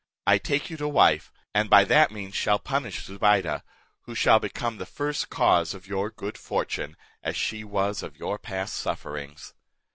I take you to wife; and by that means shall punish Zobeide, who shall become the first cause of your good fortune, as she was of your past sufferings.